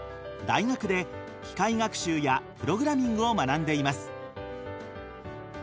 大学で機械学習やプログラミングを学んでいます。